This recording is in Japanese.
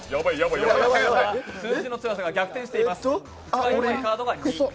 数字の強さが逆転しています。